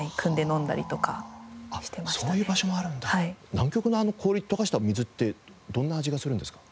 南極のあの氷を溶かした水ってどんな味がするんですか？